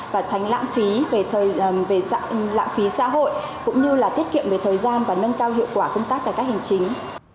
và tránh lãng phí xã hội cũng như tiết kiệm thời gian và nâng cao hiệu quả công tác các hành chính